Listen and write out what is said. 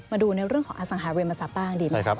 มาดูในเรื่องของอสังหาริมทรัพย์บ้างดีไหมครับ